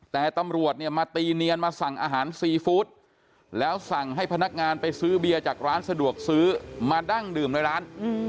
แต่ตำรวจเนี่ยมาตีเนียนมาสั่งอาหารซีฟู้ดแล้วสั่งให้พนักงานไปซื้อเบียร์จากร้านสะดวกซื้อมาดั้งดื่มในร้าน